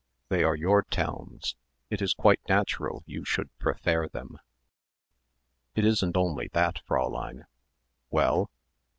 They are your towns, it is quite natural you should prefair them." "It isn't only that, Fräulein." "Well?"